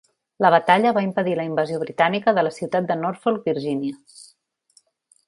La batalla va impedir la invasió britànica de la ciutat de Norfolk, Virgínia.